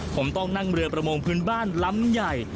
ผมต้องนั่งเรือประมงพื้นบ้านล้ำใหญ่